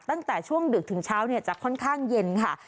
ตั้งแต่ช่วงดึกถึงเช้าจะค่อนข้างเย็นค่ะ